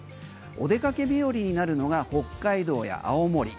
お出かけ日和になるのが北海道や青森。